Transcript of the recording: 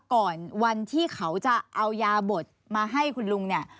ก่อนวันที่เขาจะเอายาบดมาให้คุณลุงเนี่ย